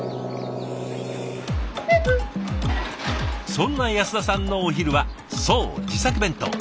そんな安田さんのお昼はそう自作弁当。